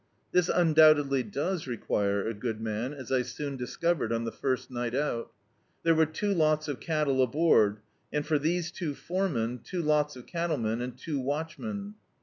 This undoubtedly does require a good man, as I soon discovered, on the fiist mght out There were two lots of cattle aboard, and for these two foremen, two lots of cattlemen, and two watchmen.